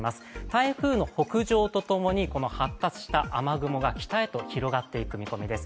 台風の北上と共にこの発達した雨雲が北へと広がっていく見込みです。